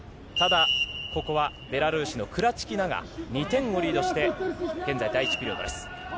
ここはベラルーシのクラチキナが２点をリードして、現在、第１ピリオドです。